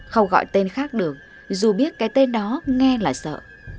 không gọi tên khác được dù biết cái tên đó nghe là sợ